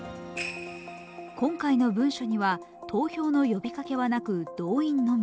今回の文書には投票の呼びかけはなく、動員のみ。